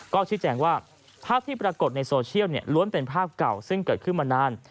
ก็ชี้แจงว่าภาพที่ปรากฏในโซเชียลล้วนเป็นภาพเก่าซึ่งเกิดขึ้นมานาน